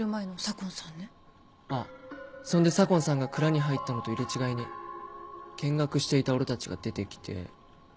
そんで左紺さんが蔵に入ったのと入れ違いに見学していた俺たちが出て来て。